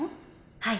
はい。